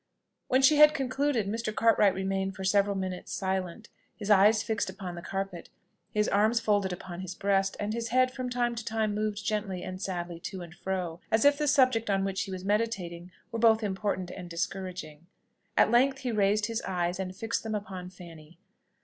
When she had concluded, Mr. Cartwright remained for several minutes silent, his eyes fixed upon the carpet, his arms folded upon his breast, and his head from time to time moved gently and sadly to and fro, as if the subject on which he was meditating were both important and discouraging. At length he raised his eyes, and fixed them upon Fanny.